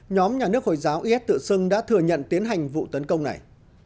nhóm nhà nước hồi giáo is tự xưng đã thừa nhận tiến hành vụ tấn công này